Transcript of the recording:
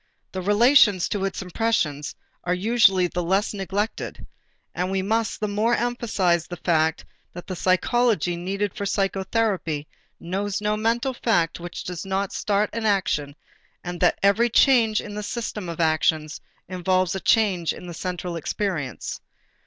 The relations to the impressions are usually the less neglected: and we must the more emphasize the fact that the psychology needed for psychotherapy knows no mental fact which does not start an action and that every change in the system of actions involves a change in the central experience.